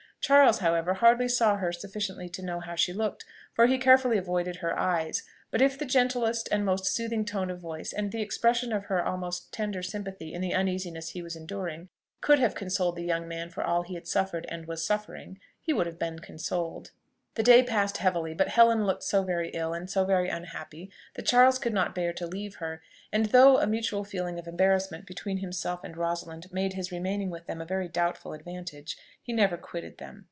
Charles, however, hardly saw her sufficiently to know how she looked, for he carefully avoided her eyes; but if the gentlest and most soothing tone of voice, and the expression of her almost tender sympathy in the uneasiness he was enduring, could have consoled the young man for all he had suffered and was suffering, he would have been consoled. The day passed heavily; but Helen looked so very ill and so very unhappy, that Charles could not bear to leave her; and though a mutual feeling of embarrassment between himself and Rosalind made his remaining with them a very doubtful advantage, he never quitted them.